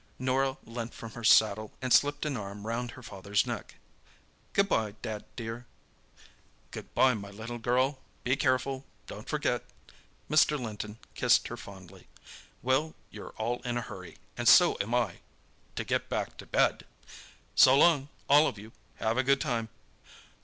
Norah leant from her saddle and slipped an arm round her father's neck. "Good bye, Dad, dear." "Good bye, my little girl. Be careful—don't forget." Mr. Linton kissed her fondly. "Well, you're all in a hurry—and so am I, to get back to bed! So long, all of you. Have a good time."